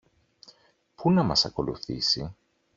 Πού να μας ακολουθήσει;